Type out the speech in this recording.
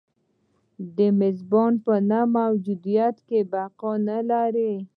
د میزبان په نه موجودیت کې بقا نه لري.